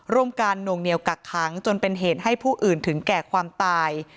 ร่วมกันหน่วงเหนียวกักขังจนเป็นเหตุให้ผู้อื่นถึงแก่ความตาย